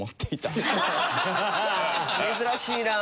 珍しいなあ。